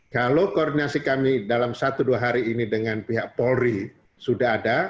kalau koordinasi kami dalam satu dua hari ini dengan pihak polri sudah ada